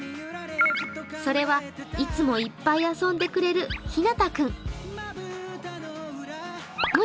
それは、いつもいっぱい遊んでくれるひなた君。